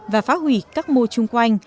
và phá hủy các mô chung quanh